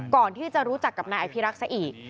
ก่อนที่จะรู้จักกับนายไอภีร์๊าคลักษัยี